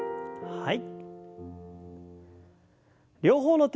はい。